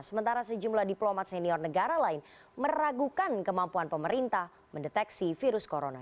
sementara sejumlah diplomat senior negara lain meragukan kemampuan pemerintah mendeteksi virus corona